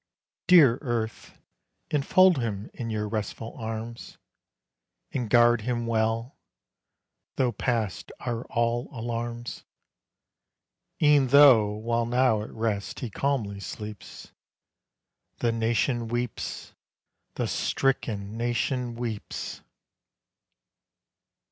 Dear earth enfold him in your restful arms And guard him well, though past are all alarms; E'en though, while now at rest he calmly sleeps, The nation weeps! The stricken nation weeps!